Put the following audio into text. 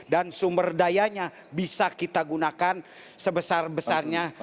dan sumber dayanya bisa kita gunakan sebesar besarnya